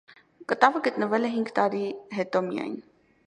Կտավը գտնվել է հինգ տարի հետո միայն։